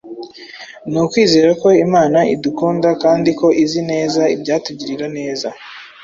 ni ukwizera ko Imana idukunda kandi ko izi neza ibyatugirira neza.